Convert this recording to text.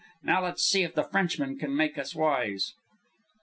Now let's see if the Frenchman can make us wise.